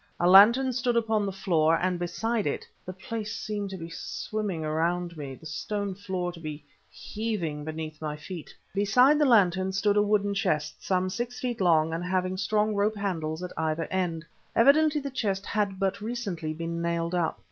A lantern stood upon the floor; and beside it ... The place seemed to be swimming around me, the stone floor to be heaving beneath my feet.... Beside the lantern stood a wooden chest, some six feet long, and having strong rope handles at either end. Evidently the chest had but recently been nailed up.